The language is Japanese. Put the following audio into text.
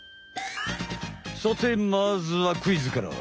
さてまずはクイズから。